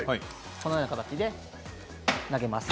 このような形で投げます。